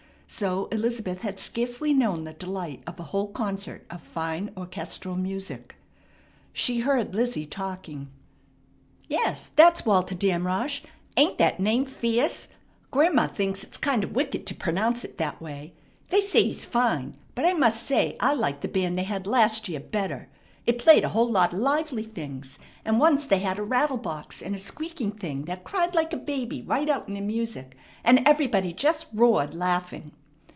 So Elizabeth had scarcely known the delight of a whole concert of fine orchestral music. She heard Lizzie talking. "Yes, that's Walter Damrosch! Ain't that name fierce? Grandma thinks it's kind of wicked to pernounce it that way. They say he's fine, but I must say I liked the band they had last year better. It played a whole lot of lively things, and once they had a rattle box and a squeaking thing that cried like a baby right out in the music, and everybody just roared laughing.